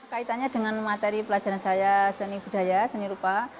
kaitannya dengan materi pelajaran saya seni budaya seni rupa